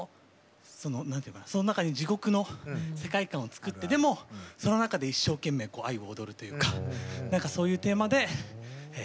その中に地獄の世界観を作ってでもその中で一生懸命愛を踊るというか何かそういうテーマで作ってみました。